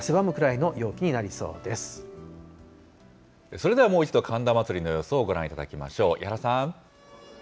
それではもう一度、神田祭の様子をご覧いただきましょう。